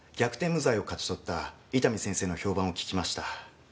無罪を勝ち取った伊丹先生の評判を聞きました。